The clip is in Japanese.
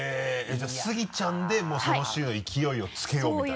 じゃあスギちゃんでその週勢いをつけよう！みたいな？